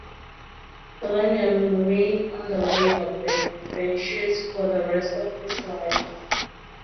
Bellenger remained on the Labour backbenches for the rest of his life.